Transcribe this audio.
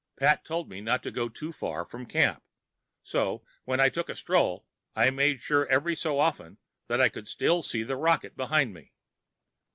Pat told me not to go too far from camp, so, when I took a stroll, I made sure every so often that I could still see the rocket behind me.